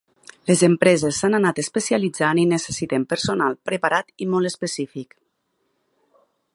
Les empreses s’han anat especialitzant i necessiten personal preparat i molt específic.